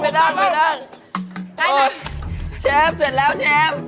เชฟเสร็จแล้วเชฟ